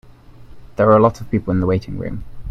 There were a lot of people in the waiting room.